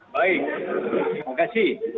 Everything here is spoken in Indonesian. baik terima kasih